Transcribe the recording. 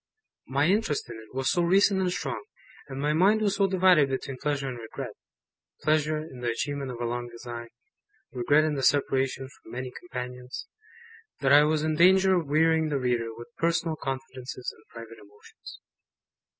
My interest in it was so recent and strong, and my mind was so divided between pleasure and regret pleasure in the achievement of a long design, regret in the separation from many companions that I was in danger of wearying the reader with personal confidences and private emotions.